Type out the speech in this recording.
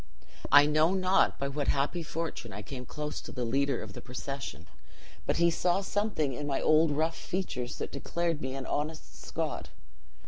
I know not by what happy fortune I came close to the leader of the procession, but he saw something in my old rough features that declared me an honest Scot.